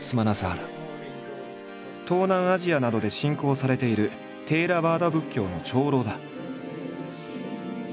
東南アジアなどで信仰されているテーラワーダ仏教の長老だ。